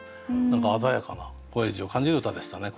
何か鮮やかな感じる歌でしたね